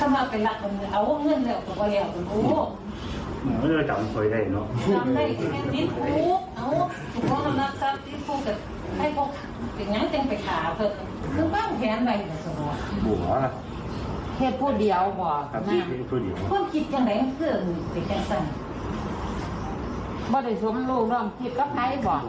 แม่ละ